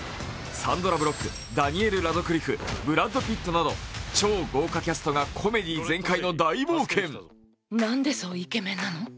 サンドラ・ブロック、ダニエル・ラドクリフ、ブラッド・ピットなど超豪華キャストがコメディー全開の大冒険。